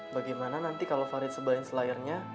bagaimana nanti kalo farid sebaiknya selayarnya